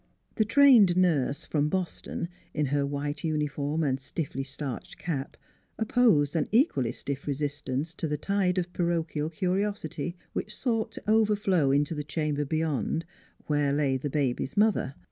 The trained nurse from Boston, in her white uniform and stiffly starched cap, opposed an equally stiff resistance to the tide of parochial curiosity which sought to overflow into the cham ber beyond, where lay the baby's mother.